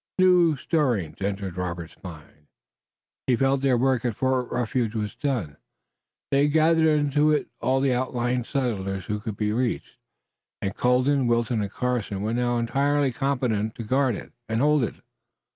New stirrings entered Robert's mind. He felt that their work at Fort Refuge was done. They had gathered into it all the outlying settlers who could be reached, and Colden, Wilton and Carson were now entirely competent to guard it and hold it.